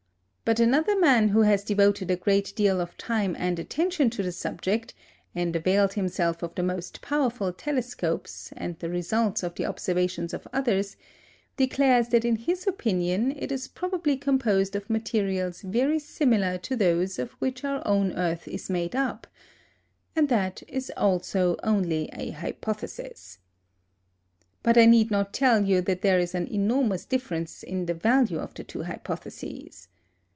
But another man, who has devoted a great deal of time and attention to the subject, and availed himself of the most powerful telescopes and the results of the observations of others, declares that in his opinion it is probably composed of materials very similar to those of which our own earth is made up: and that is also only an hypothesis. But I need not tell you that there is an enormous difference in the value of the two hypotheses.